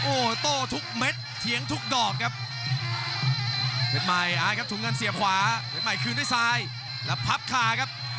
โอ้โหโต้ทุกเม็ดเถียงทุกดอกครับเพชรใหม่อายครับถุงเงินเสียบขวาเพชรใหม่คืนด้วยซ้ายแล้วพับคาครับ